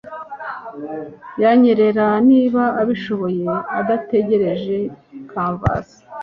Yanyerera niba abishoboye adategereje canvas